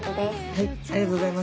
はい。